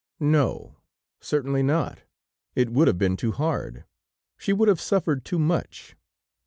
No, certainly not; it would have been too hard; she would have suffered too much!